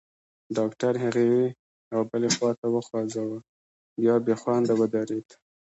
ډاکټر هغه یوې او بلې خواته وخوځاوه، بیا بېخونده ودرېد.